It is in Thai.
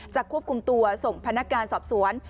ควบคุมตัวส่งพนักงานสอบสวน